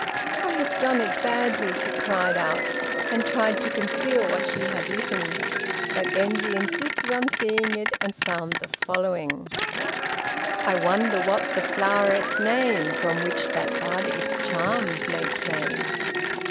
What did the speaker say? "I have done it badly," she cried out, and tried to conceal what she had written, but Genji insisted on seeing it and found the following: I wonder what's the floweret's name, From which that bud its charm may claim!